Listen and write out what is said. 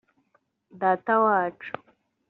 Datawacu